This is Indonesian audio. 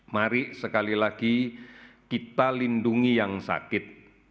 mari sekali lagi kita lindungi yang sakit